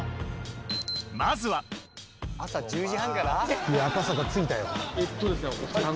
まずは朝１０時半から？